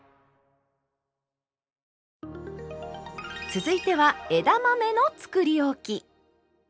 続いては枝豆のつくりおき。